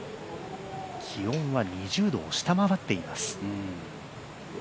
気温は２０度を下回っています。